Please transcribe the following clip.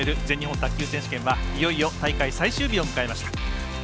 全日本卓球選手権はいよいよ大会最終日を迎えました。